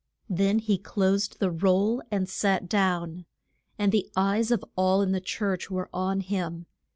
Then he closed the roll and sat down. And the eyes of all in the church were on him.